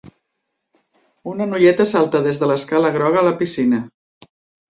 Una noieta salta des de l'escala groga a la piscina